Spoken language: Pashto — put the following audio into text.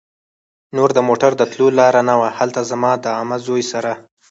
نور د موټر د تلو لار نه وه. هلته زما د عمه زوی سره